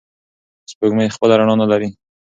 سپوږمۍ خپله رڼا نلري.